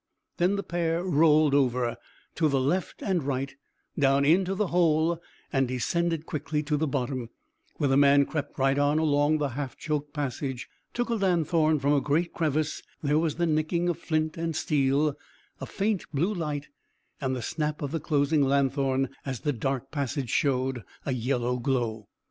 Then the pair rolled over to left and right, down into the hole, and descended quickly to the bottom, where the man crept right on along the half choked passage, took a lanthorn from a great crevice; there was the nicking of flint and steel, a faint blue light, and the snap of the closing lanthorn as the dark passage showed a yellow glow.